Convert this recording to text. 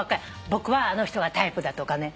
僕はあの人がタイプだとかね。